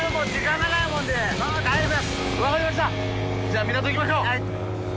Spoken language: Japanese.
じゃあ港行きましょう。